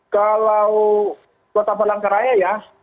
kalau kota palangkaraya ya